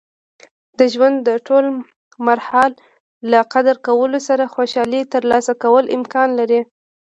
د ژوند د ټول مراحل له قدر کولو سره خوشحالي ترلاسه کول امکان لري.